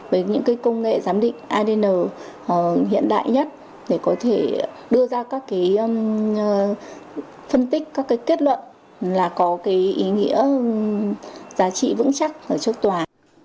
với những công nghệ giám định adn hiện đại nhất để có thể đưa ra các phân tích các kết luận là có ý nghĩa giá trị vững chắc ở trước tòa